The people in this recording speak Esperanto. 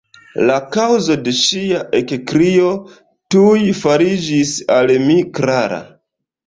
La kaŭzo de ŝia ekkrio tuj fariĝis al mi klara.